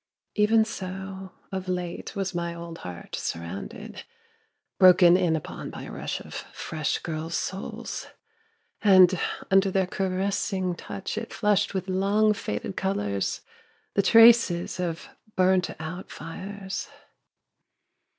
Even so of late was my old heart surrounded, broken in upon by a rush of fresh girls' souls ... and under their caressing touch it flushed with long faded colours, the traces of burnt out fires